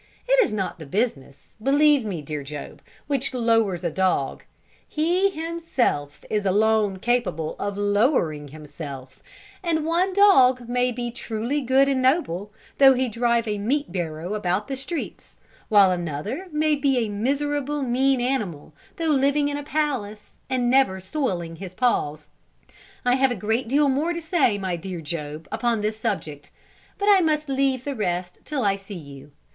It is not the business, believe me, dear Job, which lowers a dog; he himself is alone capable of lowering himself, and one dog may be truly good and noble, though he drive a meat barrow about the streets, while another may be a miserable, mean animal, though living in a palace and never soiling his paws. "I have a great deal more to say, my dear Job, upon this subject, but I must leave the rest till I see you.